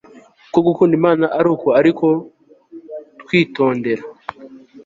kuko gukunda imana ari uku ari uko twitondera